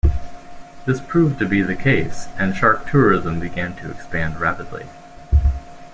This proved to be the case and shark tourism began to expand rapidly.